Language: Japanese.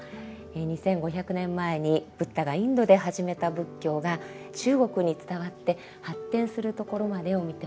２，５００年前にブッダがインドで始めた仏教が中国に伝わって発展するところまでを見てまいりました。